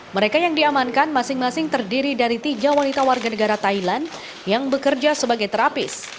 mereka yang diamankan masing masing terdiri dari tiga wanita warga negara thailand yang bekerja sebagai terapis